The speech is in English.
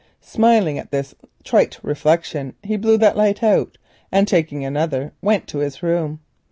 Smiling at this trite reflection, he blew that light out, and, taking another, went to his room.